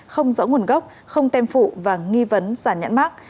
không rõ nguồn gốc không tem phụ và nghi vấn sản nhãn mát